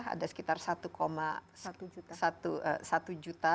ada sekitar satu juta